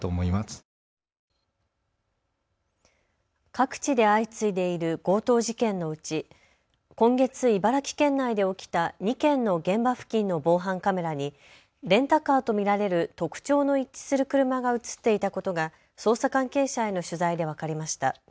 各地で相次いでいる強盗事件のうち今月、茨城県内で起きた２件の現場付近の防犯カメラにレンタカーと見られる特徴の一致する車が写っていたことが捜査関係者への取材で分かりました。